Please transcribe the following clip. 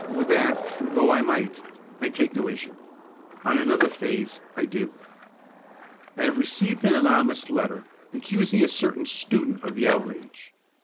With that, though I might, I take no issue. On another phase I do. "I have received an anonymous letter, accusing a certain student of the outrage.